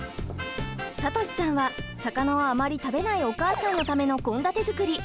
さとしさんは魚をあまり食べないお母さんのための献立づくり。